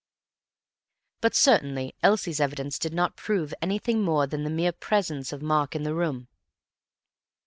But certainly Elsie's evidence did not prove anything more than the mere presence of Mark in the room.